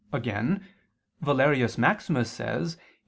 Again, Valerius Maximus says (Fact.